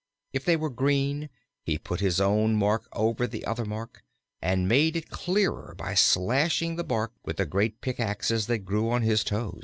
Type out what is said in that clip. If they were green, he put his own mark over the other mark, and made it clearer by slashing the bark with the great pickaxes that grew on his toes.